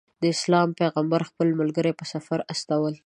د اسلام پیغمبر خپل ملګري په سفر استول.